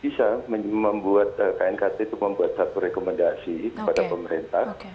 bisa membuat knkt itu membuat satu rekomendasi kepada pemerintah